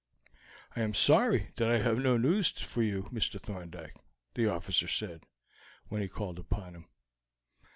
"I am sorry that I have no news for you, Mr. Thorndyke," the officer said, when he called upon him.